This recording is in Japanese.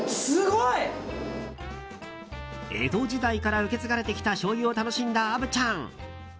すごい！江戸時代から受け継がれてきたしょうゆを楽しんだ虻ちゃん。